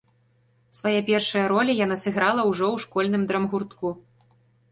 Свае першыя ролі яна сыграла ўжо ў школьным драмгуртку.